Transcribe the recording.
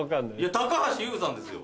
高橋優さんですよ。